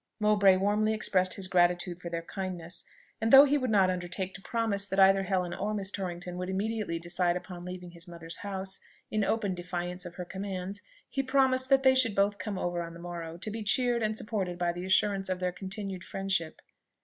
Mowbray warmly expressed his gratitude for their kindness; and though he would not undertake to promise that either Helen or Miss Torrington would immediately decide upon leaving his mother's house, in open defiance of her commands, he promised that they should both come over on the morrow, to be cheered and supported by the assurance of their continued friendship.